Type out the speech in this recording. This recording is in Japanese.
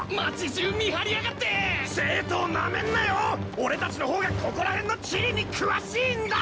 俺たちの方がここら辺の地理に詳しいんだ！